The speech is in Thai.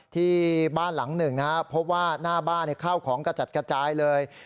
ที่บ้านหลังหนึ่งนะครับพบว่าหน้าบ้านข้าวของกระจัดกระจายเลย